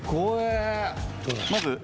まず。